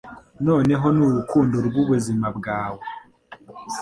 noneho ni urukundo rw'ubuzima bwawe.